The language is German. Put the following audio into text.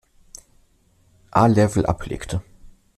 A-Level ablegte.